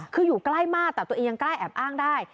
คืออยู่ใกล้มากแต่ตัวเองยังใกล้แอบอ้างได้